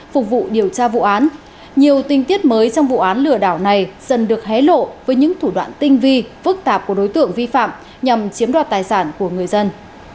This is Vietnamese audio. phục vụ điều tra vụ án nhiều tinh tiết mới trong vụ án lừa đảo này dần được hé lộ với những thủ đoạn tinh vi phức tạp của đối tượng vi phạm nhằm chiếm đoạt tài sản của người dân